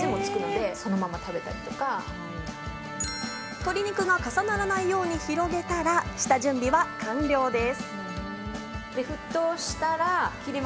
鶏肉が重ならないように広げたら下準備は完了です。